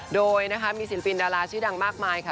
โดยมีศิลปินดาราชีวิตดังมากมายค่ะ